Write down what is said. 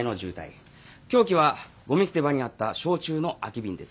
凶器はゴミ捨て場にあった焼酎の空き瓶です。